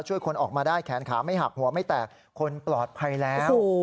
คนออกมาได้แขนขาไม่หักหัวไม่แตกคนปลอดภัยแล้ว